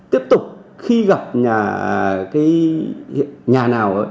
tiếp tục khi gặp nhà nào